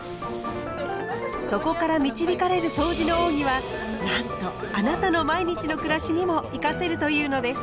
そこから導かれるそうじの奥義はなんとあなたの毎日の暮らしにも生かせるというのです。